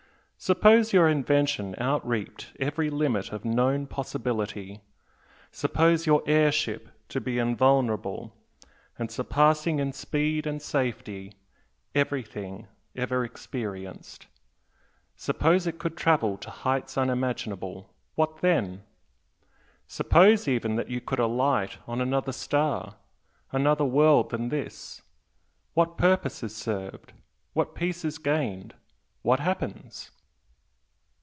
"Suppose your invention out reaped every limit of known possibility suppose your air ship to be invulnerable, and surpassing in speed and safety everything ever experienced, suppose it could travel to heights unimaginable, what then? Suppose even that you could alight on another star another world than this what purpose is served? what peace is gained? what happens?"